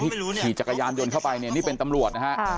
ที่ขี่จักรยานยนต์เข้าไปนี่เป็นตำรวจนะครับ